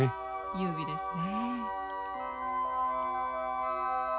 優美ですね。